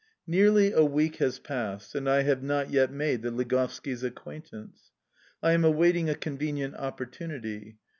NEARLY a week has passed, and I have not yet made the Ligovskis' acquaintance. I am awaiting a convenient opportunity.